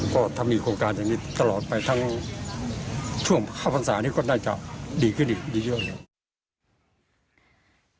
ก็ถ้ามีโครงการอย่างนี้ตลอดไปทั้งช่วงเข้าพรรษานี้ก็น่าจะดีขึ้นอีกเยอะเลย